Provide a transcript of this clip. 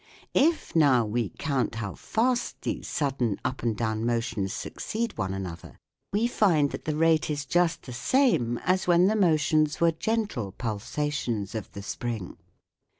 If now we count how fast these sudden up and down motions succeed one another, we find that the rate is just the same as when the motions were gentle pulsations of the spring.